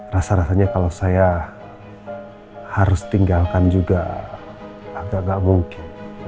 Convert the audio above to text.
rasa rasanya kalau saya harus tinggalkan juga agak agak mungkin